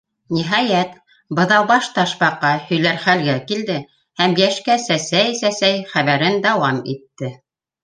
Ниһайәт, Быҙаубаш Ташбаҡа һөйләр хәлгә килде һәм йәшкә сәсәй-сәсәй, хәбәрен дауам итте: